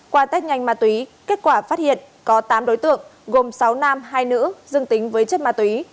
qua tết nhanh ma túy kết quả phát hiện có tám đối tượng gồm sáu nam hai nữ dương tính với chất ma túy